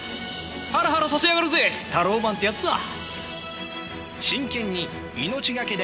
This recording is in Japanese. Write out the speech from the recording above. ハラハラさせやがるぜタローマンってやつは。